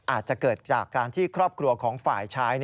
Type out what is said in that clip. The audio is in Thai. อาจจะเกิดจากการที่ครอบครัวของฝ่ายชาย